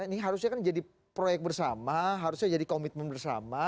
ini harusnya kan jadi proyek bersama harusnya jadi komitmen bersama